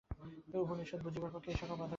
উপনিষদ বুঝিবার পক্ষে এই-সকল বাধাবিঘ্ন আছে।